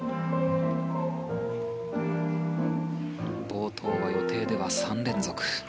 冒頭は予定では３連続。